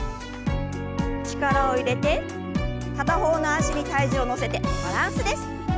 力を入れて片方の脚に体重を乗せてバランスです。